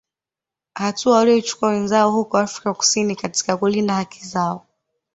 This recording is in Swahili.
Hatua walioichukua wenzao huko Afrika kusini katika kulinda haki zao